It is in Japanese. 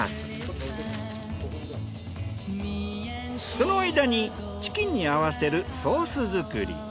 その間にチキンに合わせるソース作り。